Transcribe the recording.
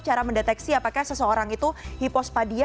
cara mendeteksi apakah seseorang itu hipospadia